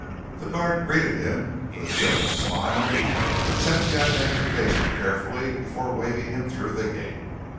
The guard greeted him with a cynical smile but checked the identification carefully before waving him through the gate.